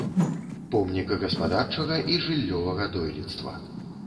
Помнік гаспадарчага і жыллёвага дойлідства.